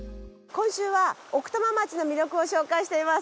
今週は奥多摩町の魅力を紹介しています。